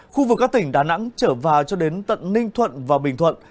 khu vực các tỉnh đà nẵng trở vào cho đến tận ninh thuận và bình thuận